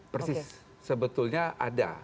persis sebetulnya ada